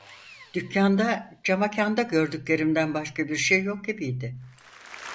Dükkanda camekanda gördüklerimden başka bir şey yok gibiydi.